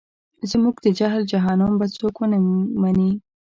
زموږ د جهل جهنم به څوک ونه مني.